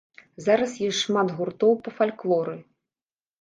Зараз ёсць шмат гуртоў па фальклоры.